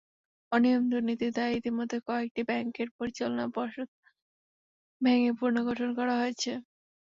অনিয়ম-দুর্নীতির দায়ে ইতিমধ্যে কয়েকটি ব্যাংকের পরিচালনা পর্যদ ভেঙে পুনর্গঠন করা হয়েছে।